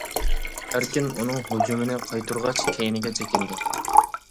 ئەركىن ئۇنىڭ ھۇجۇمىنى قايتۇرغاچ كەينىگە چېكىندى.